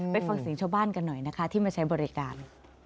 ไปฟังเสียงชาวบ้านกันหน่อยนะคะที่มาใช้บริการ